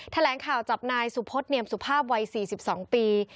แถลงข่าวจับนายสุพศเนียมสุภาพวัย๔๒ปี